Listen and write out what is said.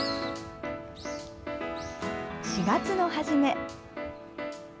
４月の初め。